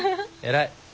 偉い。